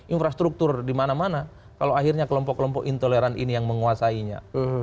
infrastruktur di mana mana kalau akhirnya kelompok kelompok intoleran ini yang menguasainya